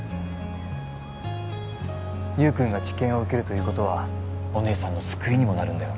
優君が治験を受けるということはお姉さんの救いにもなるんだよ